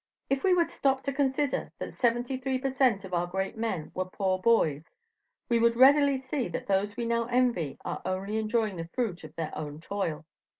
If we would stop to consider that seventy three per cent. of our great men were poor boys, we would readily see that those we now envy are only enjoying the fruit of their own toil.